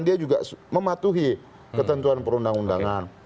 dia juga mematuhi ketentuan perundang undangan